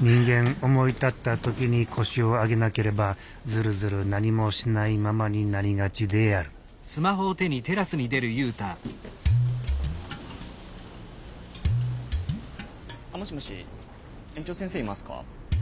人間思い立った時に腰を上げなければずるずる何もしないままになりがちであるあもしもし園長先生いますか？